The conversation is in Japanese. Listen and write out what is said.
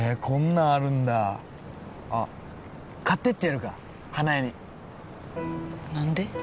こんなんあるんだあっ買ってってやるか花枝に何で？